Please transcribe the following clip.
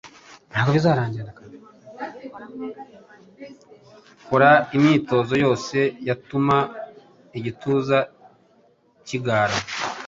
Kora imyitozo yose yatuma igituza kigara